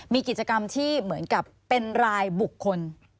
มีกิจกรรมที่เหมือนกับเป็นรายบุคคล